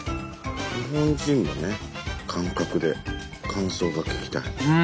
日本人のね感覚で感想が聞きたい。